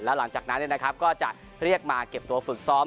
หลังจากนั้นก็จะเรียกมาเก็บตัวฝึกซ้อม